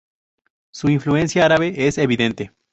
Su influencia árabe es evidente.